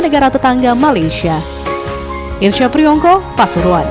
negara tetangga malaysia